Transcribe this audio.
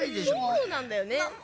そうなんだよね。